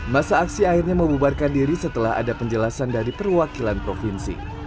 masa aksi akhirnya membubarkan diri setelah ada penjelasan dari perwakilan provinsi